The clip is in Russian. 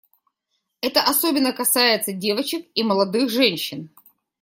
Это особенно касается девочек и молодых женщин.